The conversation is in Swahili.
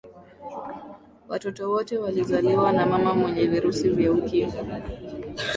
watoto wote walizaliwa na mama mwenye virusi vya ukimwi